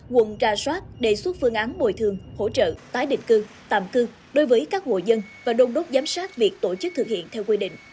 quận ra soát đề xuất phương án bồi thường hỗ trợ tái định cư tạm cư đối với các hội dân và đông đốc giám sát việc tổ chức thực hiện theo quy định